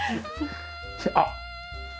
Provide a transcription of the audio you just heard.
あっ！